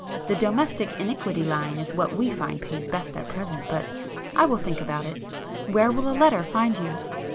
The Domestic Iniquity line is what we find pays best at present. But I will think about it—where will a letter find you?"